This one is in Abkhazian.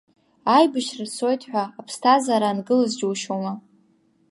Аибашьра цоит ҳәа, аԥсҭазаара аангылаз џьушьома!